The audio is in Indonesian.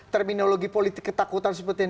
terminologi politik ketakutan seperti ini